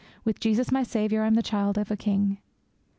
With Jesus my Saviour, I'm the child of a King!